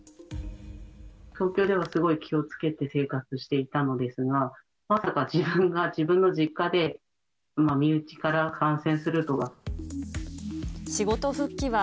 東京ではすごい気をつけて生活していたのですが、まさか自分が自分の実家で身内から感染するとは。